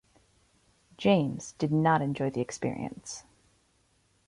James did not enjoy the experience.